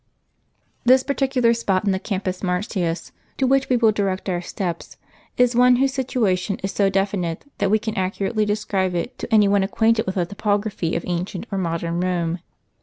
The particular spot in the Campus Martins to which we will direct our steps, is one whose situation is so definite, that we can accurately describe it to any one acquainted with the topography of ancient or modern Kome.